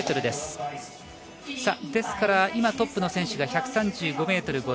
ですから、今トップの選手が１３５ｍ５０。